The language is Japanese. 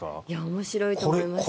面白いと思います。